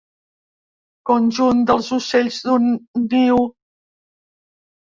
Conjunt dels ocells d'un niu.